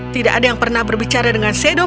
tidak ada yang pernah berbicara dengan sedom